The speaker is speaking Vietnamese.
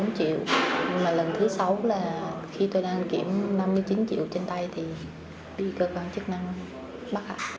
nhưng mà lần thứ sáu là khi tôi đang kiểm năm mươi chín triệu trên tay thì đi cơ quan chức năng bắt ạ